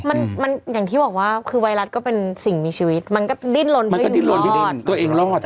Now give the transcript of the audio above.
แบบว่าอย่างที่บอกว่าคือไวรัตก็เป็นสิ่งมีชีวิตมันก็ดิ้นล่นริ้นรอด